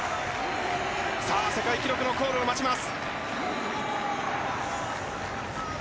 世界記録のコールを待ちます。